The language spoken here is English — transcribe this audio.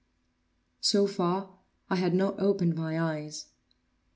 So far, I had not opened my eyes.